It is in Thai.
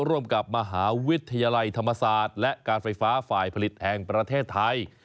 ร่วมกับมหาวิทยาลัยธรรมศาสตร์และการไฟฟ้าฝ่ายผลิตแห่งประเทศไทย